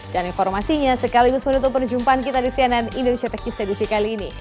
dan informasinya sekaligus menutup penjumpaan kita di cnn indonesia tech news edisi kali ini